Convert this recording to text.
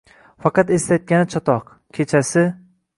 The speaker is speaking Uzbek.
Faqat eslatgani chatoq… Kechasi